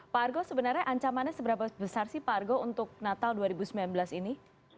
pak argo sebenarnya ancamannya seberapa besar sih pak argo untuk natal dua ribu sembilan belas ini